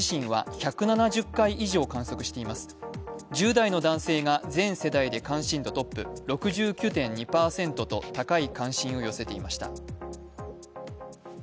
１０代の男性が全世代で関心度トップ、６９．２％と高い関心を寄せていました。